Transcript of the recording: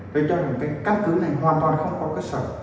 tôi cho rằng cái căn cứ này hoàn toàn không có cơ sở